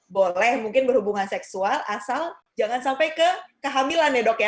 boleh mungkin berhubungan seksual asal jangan sampai ke kehamilan ya dok ya